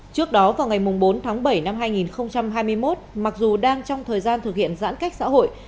trước đó vào ngày bốn tháng bảy năm hai nghìn hai mươi một mặc dù đang trong thời gian thực hiện giãn cách xã hội